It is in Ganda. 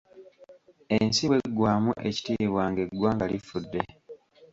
Ensi bweggwamu ekitiibwa ng'eggwanga lifudde.